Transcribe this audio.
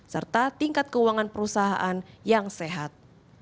serta tingkat keuangan perusahaan yang sehat